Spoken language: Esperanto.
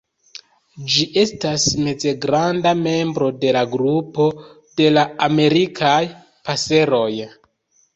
Ĝi estas mezgranda membro de la grupo de la Amerikaj paseroj.